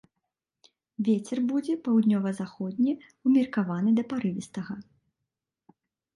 Вецер будзе паўднёва-заходні ўмеркаваны да парывістага.